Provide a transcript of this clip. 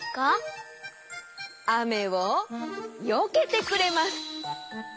あめをよけてくれます。